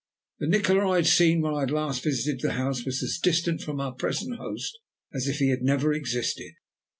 The Nikola I had seen when I had last visited the house was as distant from our present host as if he had never existed.